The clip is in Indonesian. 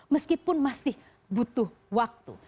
meskipun masih butuh waktu